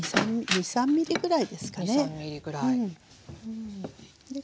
２３ｍｍぐらい。